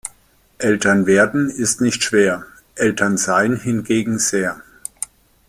Eltern werden ist nicht schwer, Eltern sein hingegen sehr.